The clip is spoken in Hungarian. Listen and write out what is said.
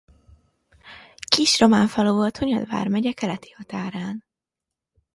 Kis román falu volt Hunyad vármegye keleti határán.